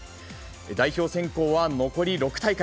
代表選考は残り６大会。